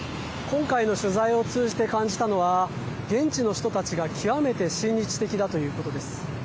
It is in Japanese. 今回の取材を通じて感じたのは現地の人たちが極めて親日的だということです。